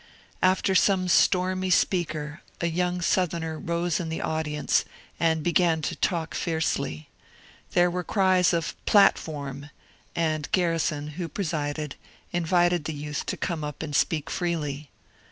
After some stormy speaker a young Southerner rose in the audience and began to talk fiercely. There were cries of ^' Platform," and Garrison, who presided, invited the youth to come up and speak freely.